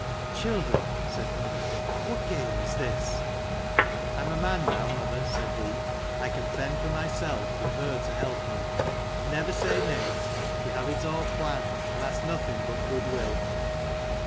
" Children," said Unna, " what game is this?" "I am a man now, mother," said he. "I can fend for myself, with her to help me. Never say nay : we have it all planned, and ask nothing but good will."